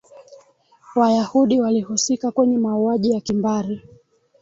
wayahudi walihusika kwenye mauaji ya kimbari